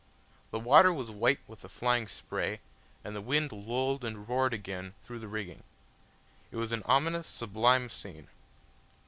The water was white with the flying spray, and the wind lulled and roared again through the rigging: it was an ominous, sublime scene.